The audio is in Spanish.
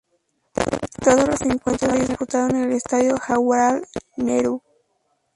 Todos los encuentros se disputaron en el Estadio Jawaharlal Nehru.